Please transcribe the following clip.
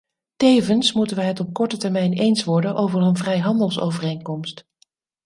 Tevens moeten we het op korte termijn eens worden over een vrijhandelsovereenkomst.